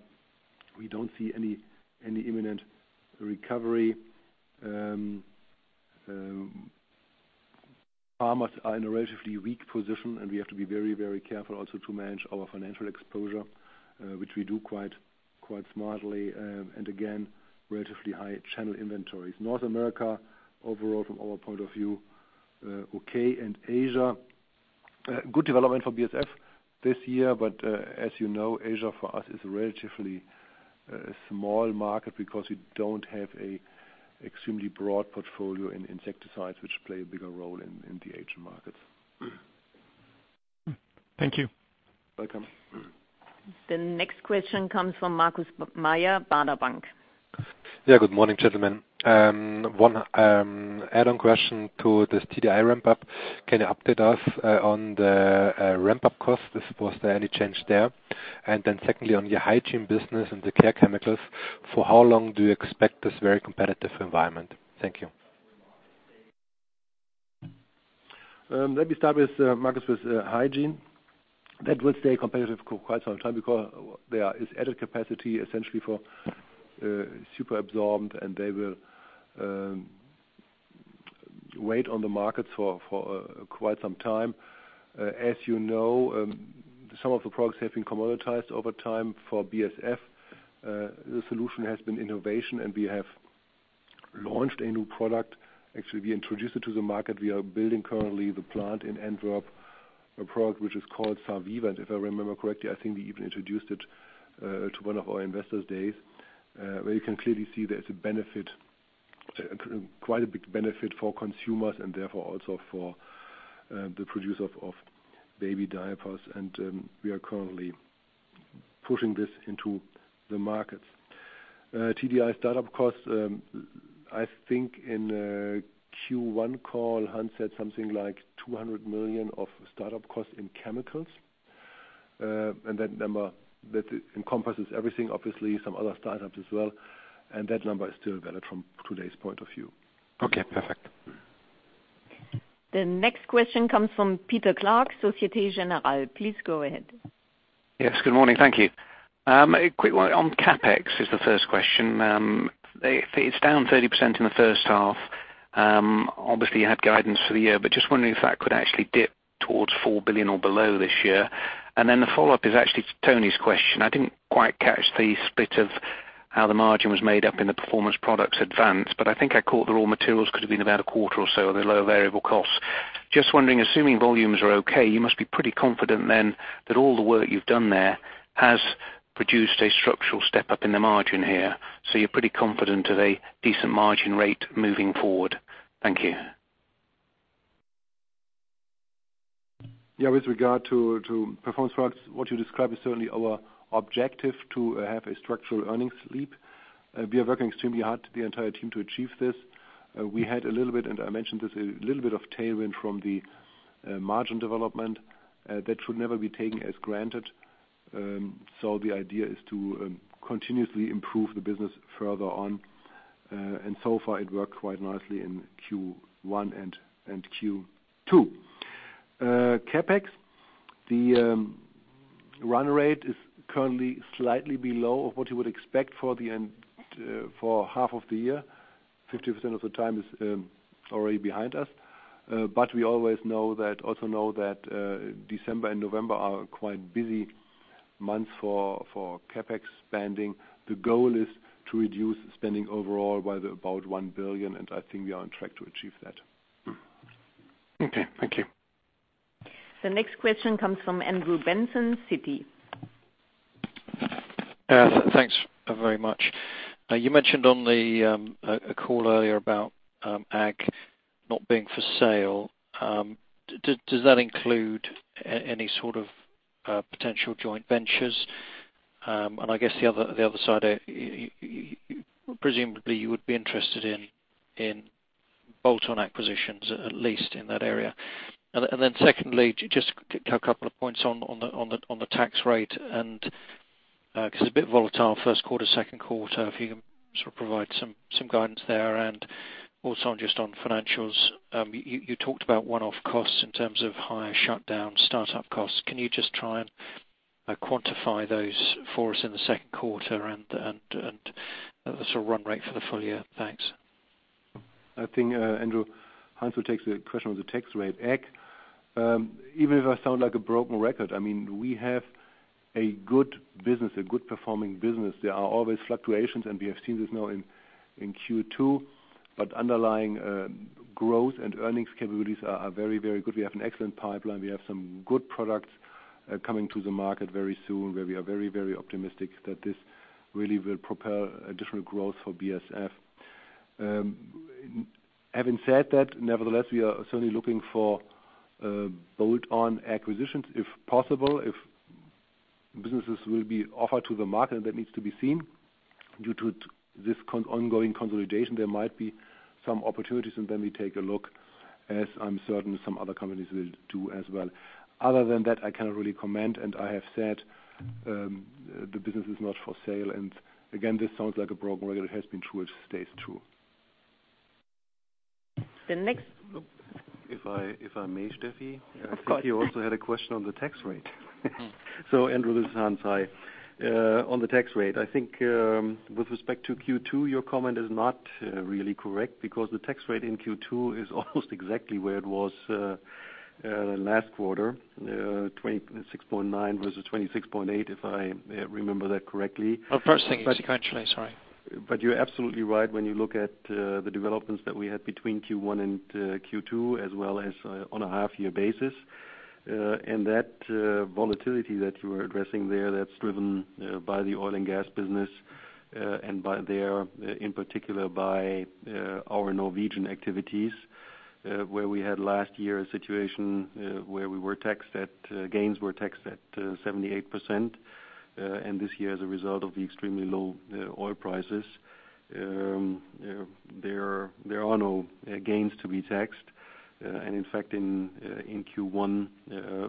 we don't see any imminent recovery. Farmers are in a relatively weak position, and we have to be very careful also to manage our financial exposure, which we do quite smartly. Again, relatively high channel inventories. North America, overall from our point of view, okay. Asia, good development for BASF this year, but, as you know, Asia for us is a relatively small market because we don't have an extremely broad portfolio in insecticides which play a bigger role in the Asian markets. Thank you. Welcome. The next question comes from Markus Mayer, Baader Bank. Yeah, good morning, gentlemen. One add-on question to this TDI ramp-up. Can you update us on the ramp-up cost? Was there any change there? Secondly, on your hygiene business and the care chemicals, for how long do you expect this very competitive environment? Thank you. Let me start with Markus with hygiene. That will stay competitive quite some time because there is added capacity essentially for superabsorbent, and they will weigh on the market for quite some time. As you know, some of the products have been commoditized over time for BASF. The solution has been innovation, and we have launched a new product. Actually, we introduced it to the market. We are building currently the plant in Antwerp, a product which is called Saviva, and if I remember correctly, I think we even introduced it to one of our investors' days, where you can clearly see there's a benefit, quite a big benefit for consumers and therefore also for the producer of baby diapers. We are currently pushing this into the markets. TDI startup costs, I think in Q1 call, Hans said something like 200 million of startup costs in chemicals. That number, that encompasses everything, obviously some other startups as well, and that number is still valid from today's point of view. Okay, perfect. The next question comes from Peter Clark, Société Générale. Please go ahead. Yes, good morning. Thank you. A quick one on CapEx is the first question. It's down 30% in the first half. Obviously you had guidance for the year, but just wondering if that could actually dip Towards 4 billion or below this year. Then the follow-up is actually Tony's question. I didn't quite catch the split of how the margin was made up in the Performance Products advance, but I think I caught the raw materials could have been about a quarter or so of the overall variable costs. Just wondering, assuming volumes are okay, you must be pretty confident then that all the work you've done there has produced a structural step-up in the margin here. You're pretty confident of a decent margin rate moving forward. Thank you. Yeah, with regard to Performance Products, what you describe is certainly our objective to have a structural earnings leap. We are working extremely hard, the entire team, to achieve this. We had a little bit, and I mentioned this, a little bit of tailwind from the margin development that should never be taken as granted. The idea is to continuously improve the business further on, and so far it worked quite nicely in Q1 and Q2. CapEx, the run rate is currently slightly below what you would expect for the end for half of the year. 50% of the time is already behind us. We always know that, also know that, December and November are quite busy months for CapEx spending. The goal is to reduce spending overall by about 1 billion, and I think we are on track to achieve that. Okay, thank you. The next question comes from Andrew Benson, Citi. Thanks very much. You mentioned on a call earlier about Ag not being for sale. Does that include any sort of potential joint ventures? I guess the other side, you presumably would be interested in bolt-on acquisitions, at least in that area. Then secondly, just a couple of points on the tax rate and 'cause it's a bit volatile first quarter, second quarter, if you can sort of provide some guidance there. Also on just on financials, you talked about one-off costs in terms of higher shutdown, startup costs. Can you just try and quantify those for us in the second quarter and sort of run rate for the full year? Thanks. I think, Andrew, Hans will take the question on the tax rate. Even if I sound like a broken record, I mean, we have a good business, a good performing business. There are always fluctuations, and we have seen this now in Q2, but underlying growth and earnings capabilities are very good. We have an excellent pipeline. We have some good products coming to the market very soon, where we are very optimistic that this really will propel additional growth for BASF. Having said that, nevertheless, we are certainly looking for bolt-on acquisitions if possible. If businesses will be offered to the market, that needs to be seen. Due to this ongoing consolidation, there might be some opportunities and then we take a look, as I'm certain some other companies will do as well. Other than that, I cannot really comment, and I have said the business is not for sale. Again, this sounds like a broken record. It has been true, it stays true. The next- Oh, if I may, Steffi. Of course. I think you also had a question on the tax rate. Andrew, this is Hans-Ulrich Engel. Hi. On the tax rate, I think, with respect to Q2, your comment is not really correct because the tax rate in Q2 is almost exactly where it was last quarter. 26.9% versus 26.8%, if I remember that correctly. Oh, first thing is sequentially. Sorry. You're absolutely right when you look at the developments that we had between Q1 and Q2, as well as on a half-year basis. That volatility that you were addressing there, that's driven by the oil and gas business, and in particular by our Norwegian activities, where we had last year a situation where gains were taxed at 78%. This year as a result of the extremely low oil prices, there are no gains to be taxed. In fact, in Q1,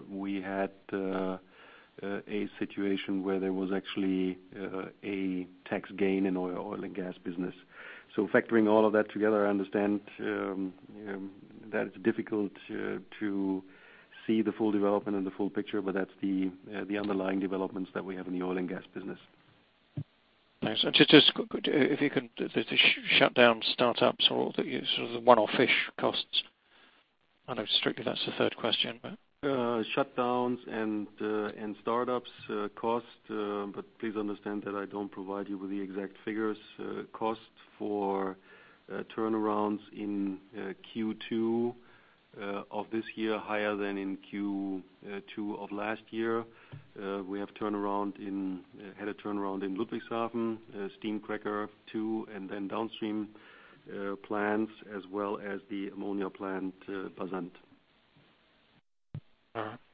we had a situation where there was actually a tax gain in oil and gas business. Factoring all of that together, I understand that it's difficult to see the full development and the full picture, but that's the underlying developments that we have in the oil and gas business. Thanks. Just if you can, the shutdown, startups or the sort of the one-off-ish costs. I know strictly that's the third question, but. Shutdowns and startups cost, but please understand that I don't provide you with the exact figures. Cost for turnarounds in Q2 of this year higher than in Q2 of last year. We had a turnaround in Ludwigshafen, steam cracker 2 and then downstream plants as well as the ammonia plant, Antwerp.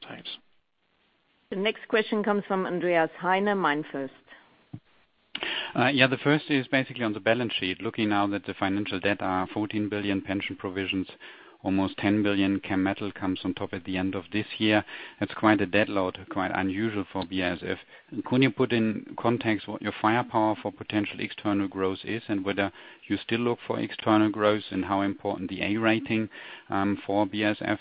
Thanks. The next question comes from Andreas Heine, MainFirst. Yeah, the first is basically on the balance sheet. Looking now that the financial debt are 14 billion pension provisions, almost 10 billion, Chemetall comes on top at the end of this year. That's quite a debt load, quite unusual for BASF. Could you put in context what your firepower for potential external growth is and whether you still look for external growth and how important the A rating for BASF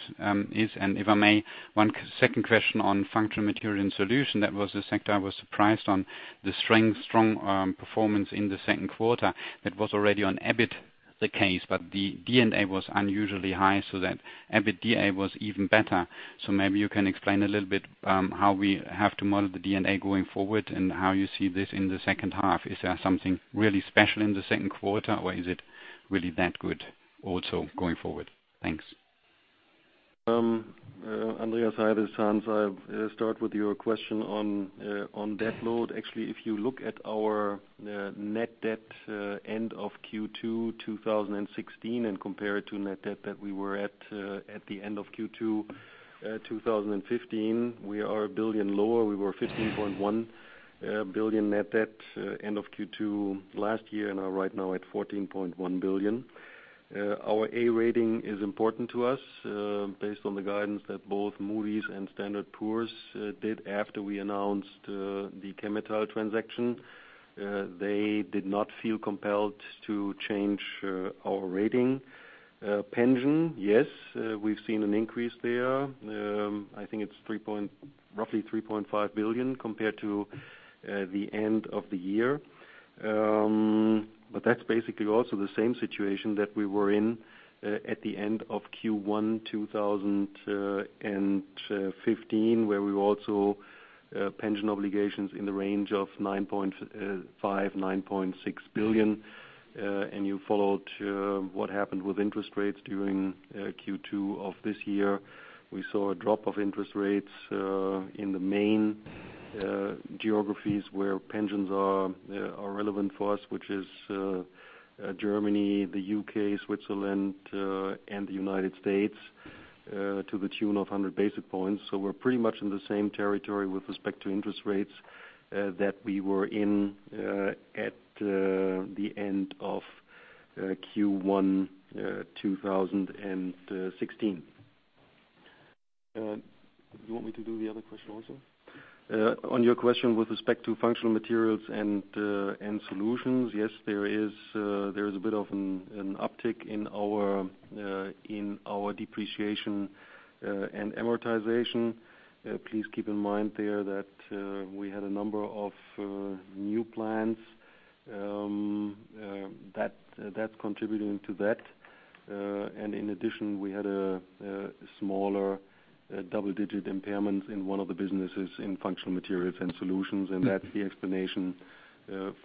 is? If I may, one second question on Functional Materials and Solutions, that was the sector I was surprised on the strength, strong performance in the second quarter. That was already on EBIT. The case, but the D&A was unusually high so that EBITDA was even better. Maybe you can explain a little bit, how we have to model the D&A going forward and how you see this in the second half. Is there something really special in the second quarter, or is it really that good also going forward? Thanks. Andreas, hi, this is Hans. I'll start with your question on debt load. Actually, if you look at our net debt end of Q2 2016 and compare it to net debt that we were at at the end of Q2 2015, we are 1 billion lower. We were 15.1 billion net debt end of Q2 last year and are right now at 14.1 billion. Our A rating is important to us. Based on the guidance that both Moody's and Standard & Poor's did after we announced the Chemetall transaction, they did not feel compelled to change our rating. Pension, yes, we've seen an increase there. I think it's roughly 3.5 billion compared to the end of the year. That's basically also the same situation that we were in at the end of Q1 2015, where we were also pension obligations in the range of 9.5 billion, 9.6 billion. You followed what happened with interest rates during Q2 of this year. We saw a drop of interest rates in the main geographies where pensions are relevant for us, which is Germany, the U.K., Switzerland, and the U.S., to the tune of 100 basis points. We're pretty much in the same territory with respect to interest rates that we were in at the end of Q1 2016. Do you want me to do the other question also? On your question with respect to Functional Materials and Solutions, yes, there is a bit of an uptick in our depreciation and amortization. Please keep in mind that we had a number of new plants that's contributing to that. In addition, we had a smaller double-digit impairment in one of the businesses in Functional Materials and Solutions, and that's the explanation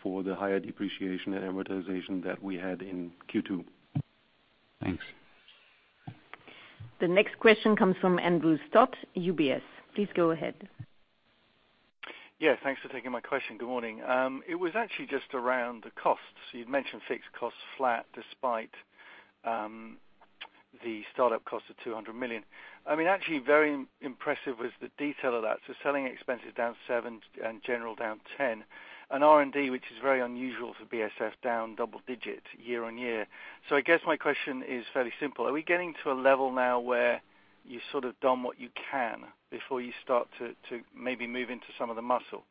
for the higher depreciation and amortization that we had in Q2. Thanks. The next question comes from Andrew Stott, UBS. Please go ahead. Yeah, thanks for taking my question. Good morning. It was actually just around the costs. You'd mentioned fixed costs flat despite the start-up cost of 200 million. I mean, actually, very impressive was the detail of that. Selling expenses down 7% and general down 10%, and R&D, which is very unusual for BASF, down double-digit year-on-year. I guess my question is fairly simple. Are we getting to a level now where you've sort of done what you can before you start to maybe move into some of the muscle?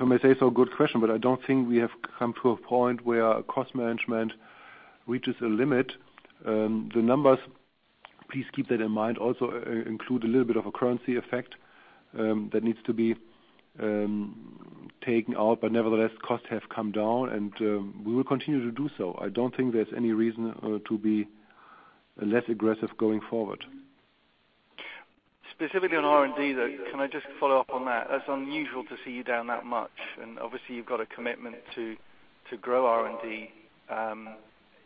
If I may say so, good question, but I don't think we have come to a point where cost management reaches a limit. The numbers, please keep that in mind, also include a little bit of a currency effect that needs to be taken out. Nevertheless, costs have come down and we will continue to do so. I don't think there's any reason to be less aggressive going forward. Specifically on R&D, though, can I just follow up on that? That's unusual to see you down that much, and obviously you've got a commitment to grow R&D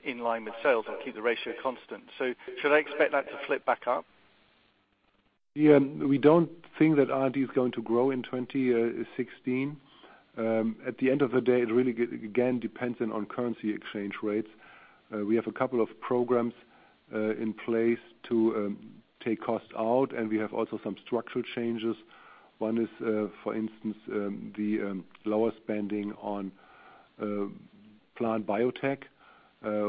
in line with sales and keep the ratio constant. Should I expect that to flip back up? Yeah. We don't think that R&D is going to grow in 2016. At the end of the day, it really, again, depends on currency exchange rates. We have a couple of programs in place to take costs out, and we have also some structural changes. One is, for instance, the lower spending on plant biotech,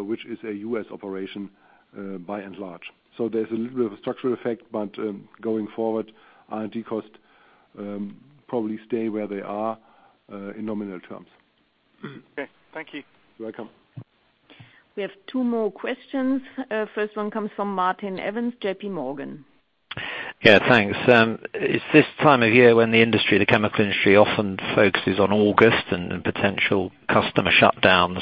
which is a U.S. operation by and large. There's a little bit of a structural effect, but going forward, R&D costs probably stay where they are in nominal terms. Okay. Thank you. You're welcome. We have two more questions. First one comes from Martin Evans, JPMorgan. Yeah, thanks. It's this time of year when the industry, the chemical industry, often focuses on August and potential customer shutdowns,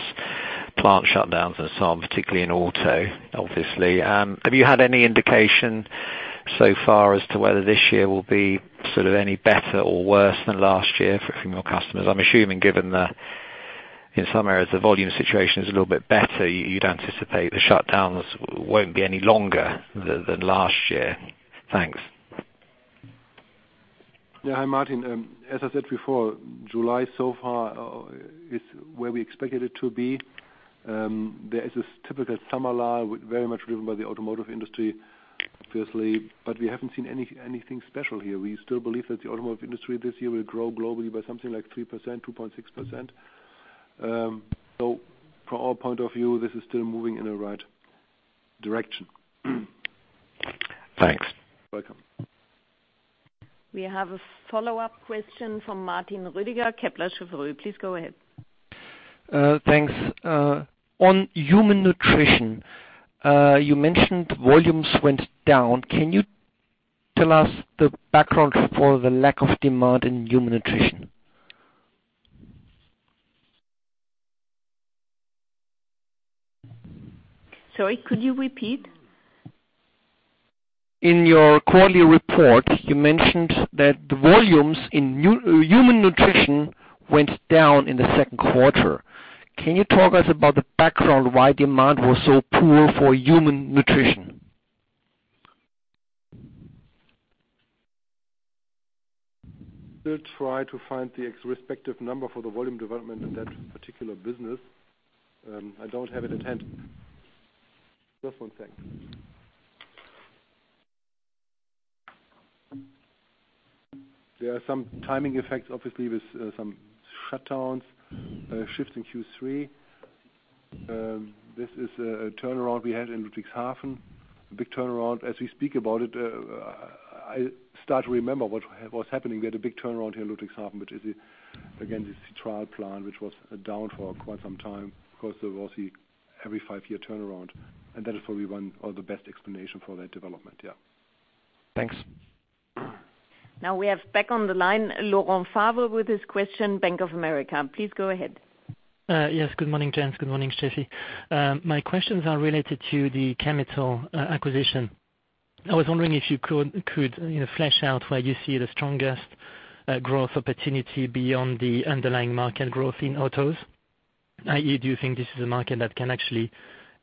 plant shutdowns and so on, particularly in auto, obviously. Have you had any indication so far as to whether this year will be sort of any better or worse than last year for a few more customers? I'm assuming, given the, in some areas, the volume situation is a little bit better, you'd anticipate the shutdowns won't be any longer than last year. Thanks. Hi, Martin. As I said before, July so far is where we expected it to be. There is this typical summer lull, very much driven by the automotive industry, obviously, but we haven't seen anything special here. We still believe that the automotive industry this year will grow globally by something like 3%, 2.6%. From our point of view, this is still moving in the right direction. Thanks. Welcome. We have a follow-up question from Martin Rüdiger, Kepler Cheuvreux. Please go ahead. Thanks. On human nutrition, you mentioned volumes went down. Can you tell us the background for the lack of demand in human nutrition? Sorry, could you repeat? In your quarterly report, you mentioned that the volumes in human nutrition went down in the second quarter. Can you tell us about the background why demand was so poor for human nutrition? I will try to find the respective number for the volume development in that particular business. I don't have it at hand. Just one second. There are some timing effects, obviously, with some shutdowns, shifts in Q3. This is a turnaround we had in Ludwigshafen, a big turnaround. As we speak about it, I start to remember what was happening. We had a big turnaround here in Ludwigshafen, which is again, this trial plant, which was down for quite some time. Of course, there was the every five-year turnaround, and that is probably one of the best explanation for that development. Yeah. Thanks. Now we have back on the line, Laurent Favre with his question, Bank of America. Please go ahead. Yes. Good morning, gents. Good morning, Steffi. My questions are related to the Chemetall acquisition. I was wondering if you could, you know, flesh out where you see the strongest growth opportunity beyond the underlying market growth in autos. i.e., do you think this is a market that can actually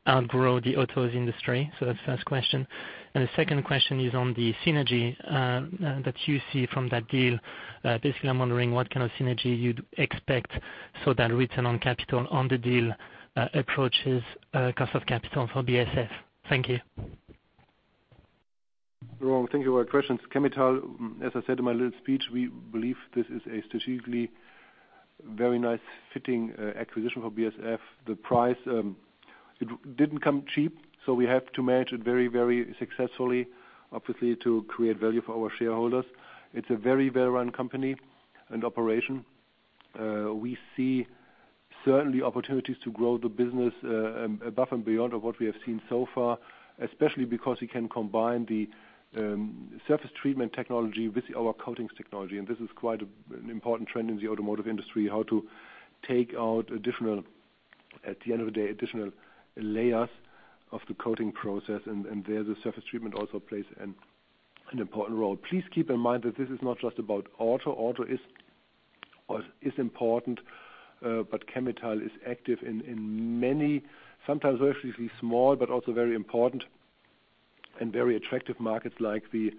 outgrow the autos industry? That's first question. The second question is on the synergy that you see from that deal. Basically, I'm wondering what kind of synergy you'd expect so that return on capital on the deal approaches cost of capital for BASF. Thank you. Laurent, thank you for your questions. Chemetall, as I said in my little speech, we believe this is a strategically very nice fitting acquisition for BASF. The price, it didn't come cheap, so we have to manage it very, very successfully, obviously, to create value for our shareholders. It's a very well-run company and operation. We see certainly opportunities to grow the business above and beyond of what we have seen so far, especially because it can combine the surface treatment technology with our coatings technology, and this is quite an important trend in the automotive industry, how to take out additional, at the end of the day, additional layers of the coating process. There, the surface treatment also plays an important role. Please keep in mind that this is not just about auto. Auto is important, but Chemetall is active in many, sometimes relatively small, but also very important and very attractive markets like the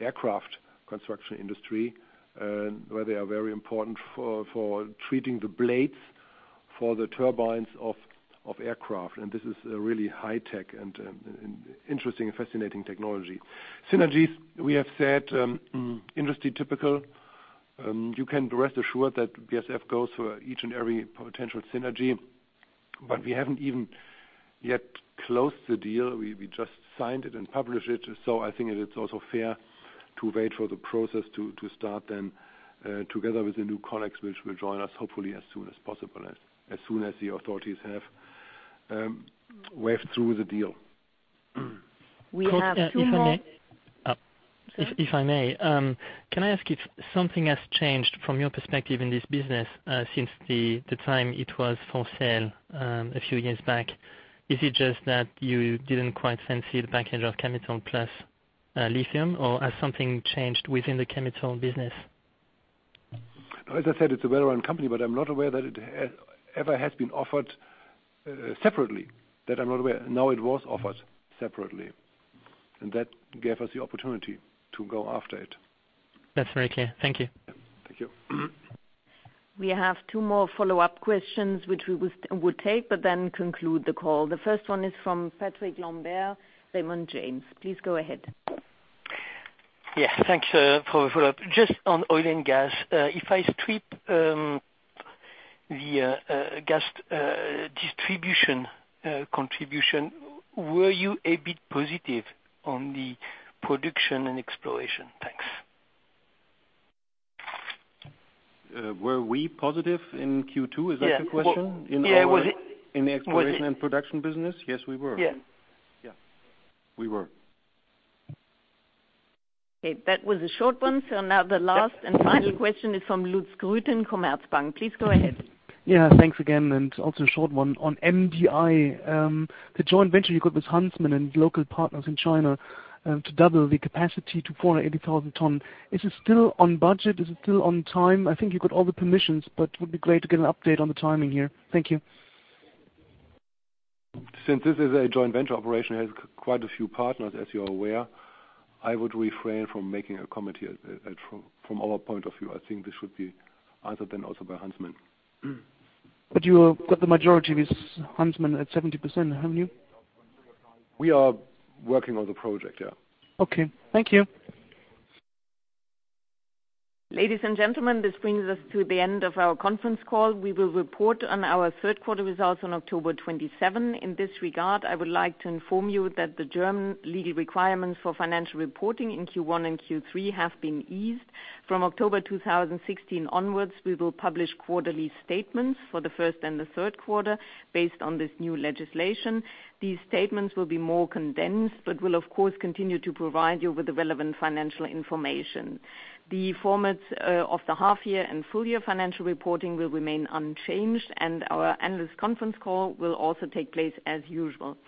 aircraft construction industry, where they are very important for treating the blades for the turbines of aircraft, and this is a really high tech and interesting and fascinating technology. Synergies, we have said, industry typical. You can rest assured that BASF goes through each and every potential synergy, but we haven't even yet closed the deal. We just signed it and published it, so I think it's also fair to wait for the process to start then, together with the new colleagues, which will join us hopefully as soon as possible, as soon as the authorities have waved through the deal. We have two more. If I may. Sorry. If I may, can I ask if something has changed from your perspective in this business, since the time it was for sale, a few years back? Is it just that you didn't quite fancy the package of Chemetall plus lithium, or has something changed within the Chemetall business? As I said, it's a well-run company, but I'm not aware that it ever has been offered separately. That, I'm not aware. Now it was offered separately, and that gave us the opportunity to go after it. That's very clear. Thank you. Thank you. We have two more follow-up questions which we would, we'll take, but then conclude the call. The first one is from Patrick Lambert, Raymond James. Please go ahead. Yeah. Thanks for the follow-up. Just on oil and gas, if I strip the gas distribution contribution, were you a bit positive on the production and exploration? Thanks. Were we positive in Q2? Is that your question? Yeah. Well, yeah, was it? In the exploration and production business? Yes, we were. Yeah. Yeah. We were. Okay. That was a short one. Now the last and final question is from Lutz Grütjen, Commerzbank. Please go ahead. Yeah. Thanks again, and also a short one. On MDI, the joint venture you got with Huntsman and local partners in China, to double the capacity to 480,000 tons. Is it still on budget? Is it still on time? I think you got all the permissions, but would be great to get an update on the timing here. Thank you. Since this is a joint venture operation, it has quite a few partners, as you're aware. I would refrain from making a comment here. From our point of view, I think this should be answered then also by Huntsman. You have got the majority with Huntsman at 70%, haven't you? We are working on the project, yeah. Okay. Thank you. Ladies and gentlemen, this brings us to the end of our conference call. We will report on our third quarter results on October 27. In this regard, I would like to inform you that the German legal requirements for financial reporting in Q1 and Q3 have been eased. From October 2016 onwards, we will publish quarterly statements for the first and the third quarter based on this new legislation. These statements will be more condensed, but will of course continue to provide you with the relevant financial information. The formats of the half year and full year financial reporting will remain unchanged, and our analyst conference call will also take place as usual.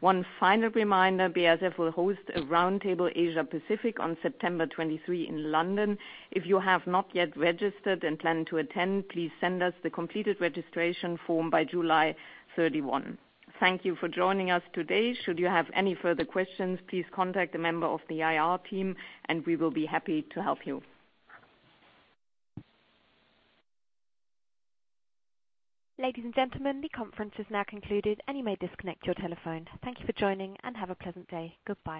One final reminder, BASF will host a round table Asia Pacific on September 23 in London. If you have not yet registered and plan to attend, please send us the completed registration form by July 31st. Thank you for joining us today. Should you have any further questions, please contact a member of the IR team, and we will be happy to help you. Ladies and gentlemen, the conference is now concluded and you may disconnect your telephone. Thank you for joining and have a pleasant day. Goodbye.